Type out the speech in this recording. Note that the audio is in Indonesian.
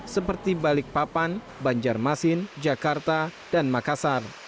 seperti balikpapan banjarmasin jakarta dan makassar